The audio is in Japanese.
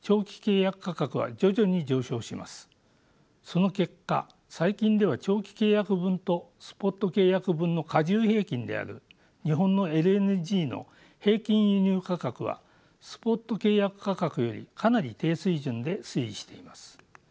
その結果最近では長期契約分とスポット契約分の加重平均である日本のＬＮＧの平均輸入価格はスポット契約価格よりかなり低水準で推移しています。